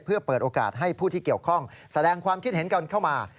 เพื่อเปิดโอกาสให้ผู้ที่เกี่ยวข้องแสดงความคิดเห็นกันเข้ามา